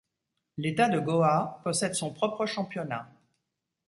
L'État de Goa possède son propre championnat.